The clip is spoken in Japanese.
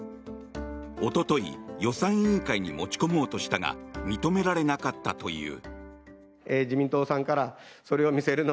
おととい、予算委員会に持ち込もうとしたが認められなかったという。